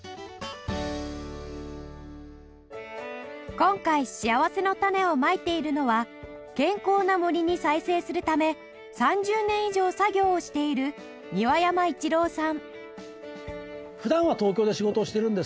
今回しあわせのたねをまいているのは健康な森に再生するため３０年以上作業をしている庭山一郎さん